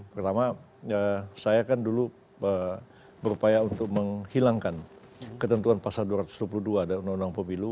pertama saya kan dulu berupaya untuk menghilangkan ketentuan pasal dua ratus dua puluh dua undang undang pemilu